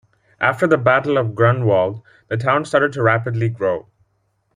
After the Battle of Grunwald the town started to rapidly grow.